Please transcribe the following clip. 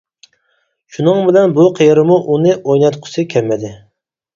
شۇنىڭ بىلەن بۇ قېرىمۇ ئۇنى ئويناتقۇسى كەممىدى.